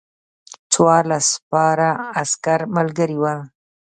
څوارلس سپاره عسکر ملګري ول.